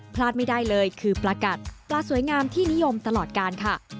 พลาดไม่ได้เลยคือปลากัดปลาสวยงามที่นิยมตลอดกาลค่ะ